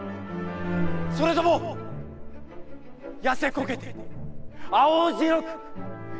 それとも痩せこけて、青白く、貧相か？」。